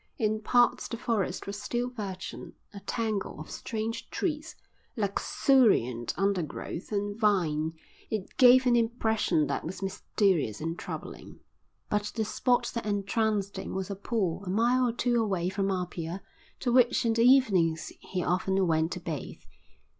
In parts the forest was still virgin, a tangle of strange trees, luxuriant undergrowth, and vine; it gave an impression that was mysterious and troubling. But the spot that entranced him was a pool a mile or two away from Apia to which in the evenings he often went to bathe.